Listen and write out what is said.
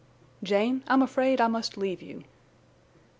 "Jane, I'm afraid I must leave you."